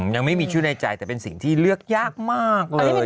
ยังไม่มีชื่อในใจแต่เป็นสิ่งที่เลือกยากมากเลย